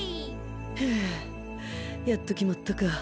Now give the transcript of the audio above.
はぁやっと決まったか